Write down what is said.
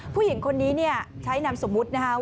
ผู้หญิงคนนี้ใช้นำสมมุตินะครับ